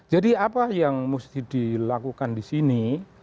jadi apa yang mesti dilakukan di sini